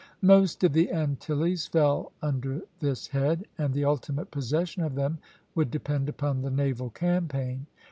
Most of the Antilles fell under this head, and the ultimate possession of them would depend upon the naval campaign.